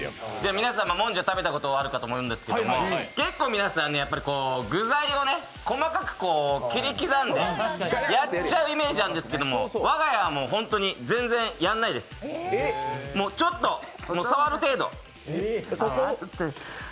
皆さんも、もんじゃを食べたことあると思うんですけど結構皆さん、具材細かく切り刻んでやっちゃうイメージがあるんですけど我が家はホントに全然やらないです、ちょっと触る程度。